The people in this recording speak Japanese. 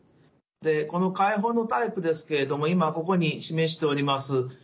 でこの開放のタイプですけれども今ここに示しております